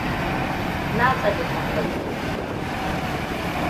Na tsani tambayoyi.